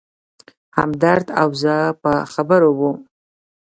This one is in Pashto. همدرد او زه په خبرو و.